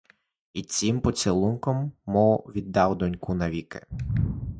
І цим поцілунком мов віддав доньку навіки.